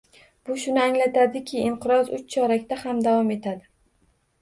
Bu shuni anglatadiki, inqiroz uch chorakda ham davom etadi